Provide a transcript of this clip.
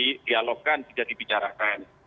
bisa didialogkan bisa dibicarakan